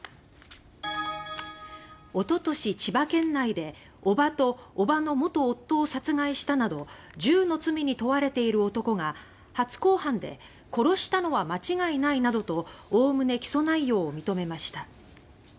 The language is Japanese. おととし、千葉県内で伯母と伯母の元夫を殺害したなど１０の罪に問われている男が初公判で「殺したのは間違いない」などとおおむね起訴内容を認めました。